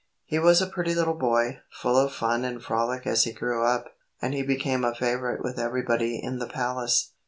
He was a pretty little boy, full of fun and frolic as he grew up, and he became a favorite with everybody in the palace.